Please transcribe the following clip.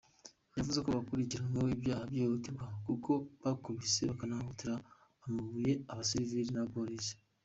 Yavuze ko bakurikiranyweho ibyaha by’ihohoterwa kuko bakubise bakanatera amabuye abasivili n’abapolisi.